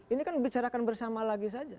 ini kan dibicarakan bersama lagi saja